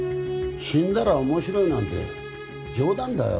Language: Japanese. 「死んだら面白い」なんて冗談だよ。